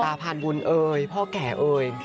พานบุญเอ่ยพ่อแก่เอ่ย